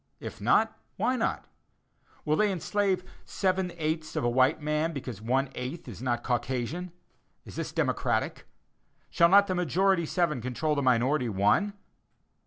If not, why not? Will they enslave seven eighths of a white man because one eighth is not Caucasian? Is this democratic? Shall not the majority seven control the minority one?